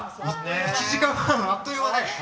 １時間半あっという間ね。